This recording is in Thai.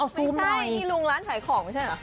เอาซูมหน่อยไม่เห็นไหมไม่ใช่อยู่ดิลุงร้านไผลของไม่ใช่เหรอ